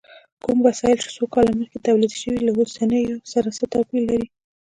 کوم وسایل چې څو کاله مخکې تولید شوي، له اوسنیو سره څه توپیر لري؟